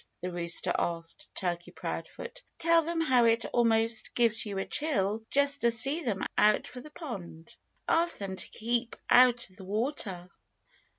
the rooster asked Turkey Proudfoot. "Tell them how it almost gives you a chill just to see them set out for the pond. Ask them to keep out of the water."